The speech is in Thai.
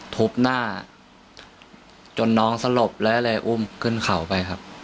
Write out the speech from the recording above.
ทุบหน้าจนน้องสลบแล้วเลยอุ้มขึ้นเขาไปครับ